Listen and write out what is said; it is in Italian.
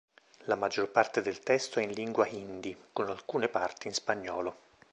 La maggior parte del testo è in lingua hindi, con alcune parti in spagnolo.